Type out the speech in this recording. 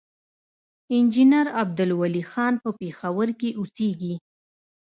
انجينير عبدالولي خان پۀ پېښور کښې اوسيږي،